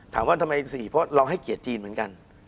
ถามว่าทำไม๔เพราะเราให้เกียรติจีนเหมือนกัน